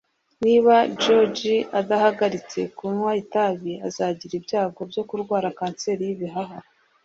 Niba George adahagaritse kunywa itabi, azagira ibyago byo kurwara kanseri y'ibihaha.